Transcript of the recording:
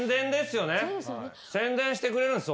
宣伝してくれるんす。